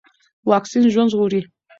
واکسين ژوند ژغوري.